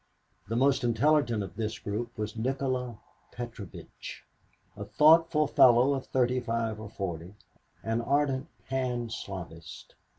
The most intelligent of this group was Nikola Petrovitch, a thoughtful fellow of thirty five or forty, an ardent Pan Slavist.